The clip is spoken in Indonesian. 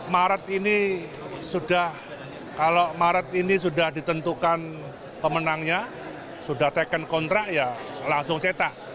maret ini sudah kalau maret ini sudah ditentukan pemenangnya sudah taken kontrak ya langsung cetak